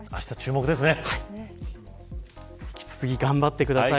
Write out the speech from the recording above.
引き続き頑張ってください。